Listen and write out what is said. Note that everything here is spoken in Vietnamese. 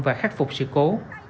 và khắc phục sự cố